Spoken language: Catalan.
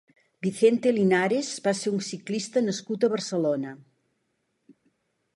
Vicente Linares va ser un ciclista nascut a Barcelona.